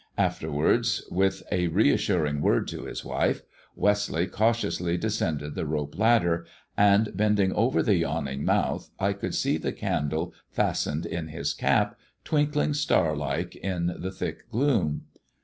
Afterwards, with a reassuring word to his wife, "Westleigh cautiously descended the rope ladder, and bending over the yawning mouth I could see the candle fastened in his cap, twinkling starlike in the thick gloom.